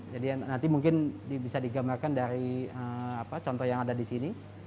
jadi nanti mungkin bisa digambarkan dari contoh yang ada disini